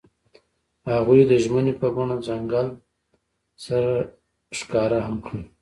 هغوی د ژمنې په بڼه ځنګل سره ښکاره هم کړه.